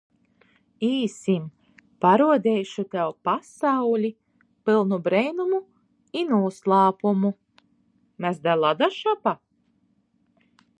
Īsim! Paruodeišu tev pasauli, pylnu breinumu i nūslāpumu. Mes da ladaškapa?